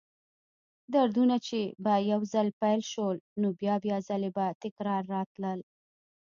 دردونه چې به یو ځل پیل شول، نو بیا بیا ځلې به تکراراً راتلل.